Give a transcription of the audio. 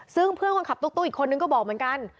ซึ่งเพื่อนคนขับตุ๊กอีกคนนึงก็บอกเหมือนกัน